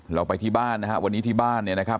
เราไปที่บ้านนะฮะวันนี้ที่บ้านเนี่ยนะครับ